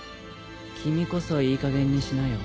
君こそいいかげんにしなよ。